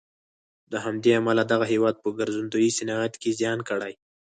له همدې امله دغه هېواد په ګرځندوی صنعت کې زیان کړی.